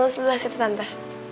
setelah situ tante